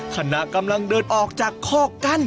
ขณะกำลังเดินออกจากข้อกั้น